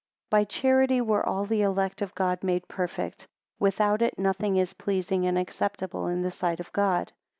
6 By charity were all the elect of God made perfect: Without it nothing is pleasing and acceptable in the sight of God.